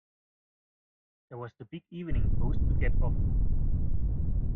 There was the big evening post to get off.